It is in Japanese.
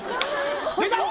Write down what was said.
出た！？